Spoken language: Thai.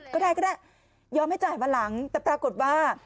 ก็ได้ก็ได้ยอมให้จ่ายมาหลังแต่ปรากฏว่า